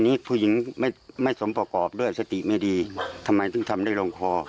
นี้ผู้หญิงไม่สมประกอบเลือดสติไม่ดีทำไมถึงทำได้ลงคอ